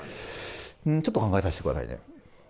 ちょっと考えさせてくださいね。